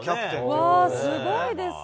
すごいですね。